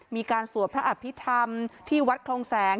มีการสวดพระอภิษฐรรมที่วัดโครงแสง